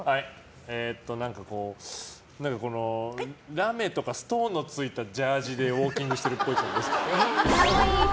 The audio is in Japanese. ラメとかストーンのついたジャージーでウォーキングしてるっぽい。